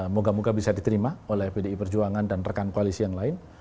moga moga bisa diterima oleh pdi perjuangan dan rekan koalisi yang lain